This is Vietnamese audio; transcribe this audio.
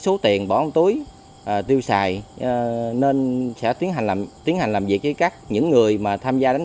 số tiền bỏ túi tiêu xài nên sẽ tiến hành tiến hành làm việc với các những người mà tham gia đánh